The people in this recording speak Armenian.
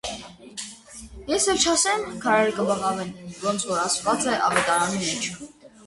Ես էլ որ չասեմ, քարերը կբղավեն, ոնց որ ասված է ավետարանի մեջ: